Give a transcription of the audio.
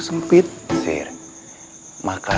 cukup biar mudah